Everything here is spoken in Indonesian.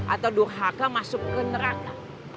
atau durhaka masuk ke neraka